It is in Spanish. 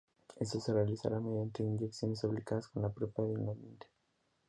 Esto se realizará mediante inyecciones aplicadas por la propia donante.